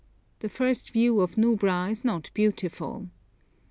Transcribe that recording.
The first view of Nubra is not beautiful.